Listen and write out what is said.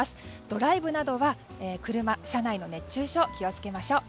ドライブなどは車内の熱中症に気を付けましょう。